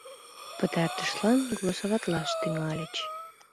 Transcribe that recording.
Пытартышлан голосоватлаш тӱҥальыч.